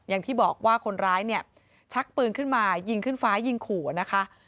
อย่างที่บอกว่าคนร้ายเนี่ยชักปืนขึ้นมายิงขึ้นฟ้ายิงขู่นะคะ